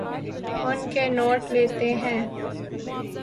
ان کے نوٹ لیتے ہیں